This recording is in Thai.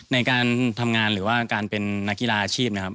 ในการทำงานหรือว่าการเป็นนักกีฬาอาชีพนะครับ